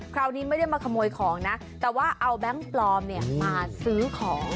คราวนี้ไม่ได้มาขโมยของนะแต่ว่าเอาแบงค์ปลอมเนี่ยมาซื้อของ